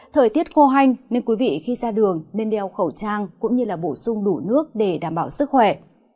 thời tiết khô hanh nên quý vị khi ra đường nên đeo khẩu trang cũng như là bổ sung đủ nước để đảm bảo sức khỏe